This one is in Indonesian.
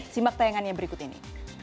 simak tayangannya berikut ini